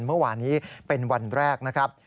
เมื่อวานนี้เป็นวันแรกนะครับ